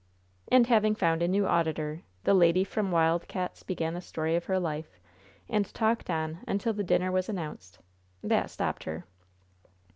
And, having found a new auditor, the lady from Wild Cats' began the story of her life, and talked on until the dinner was announced. That stopped her.